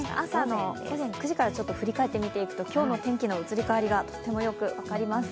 午前９時から振り返っていくと、今日の天気の移り変わりがとてもよく分かります。